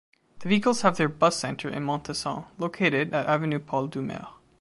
The vehicles have their bus center in Montesson, located at Avenue Paul-Doumer.